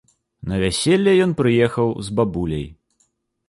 На вяселле ён прыехаў з бабуляй.